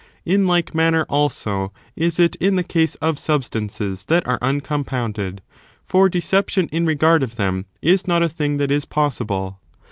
In like manner, also, is it in the case of substances that are uncompounded ; for deception in regard of them is not a thing that is possible.